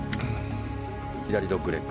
左ドッグレッグ。